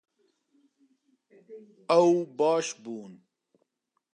Ew baş bûn